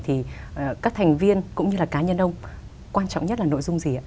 thì các thành viên cũng như là cá nhân ông quan trọng nhất là nội dung gì ạ